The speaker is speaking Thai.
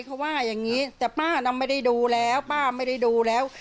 เขาว่าอย่างนี้แต่ป้าน่ะไม่ได้ดูแล้วป้าไม่ได้ดูแล้ว